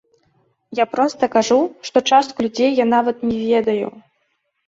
Я проста кажу, што частку людзей я нават не ведаю!